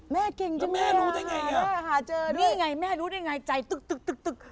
แม่เก่งจังแม่อะหาเจอด้วยนี่ไงแม่รู้ได้ไงใจตึ๊ก